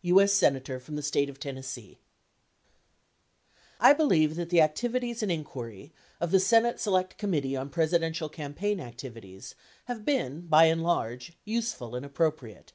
U.S. Senator From the State oe Tennessee I believe that the activities and inquiry of the Senate Select Com mittee on Presidential Campaign Activities have been, by and large, useful and appropriate.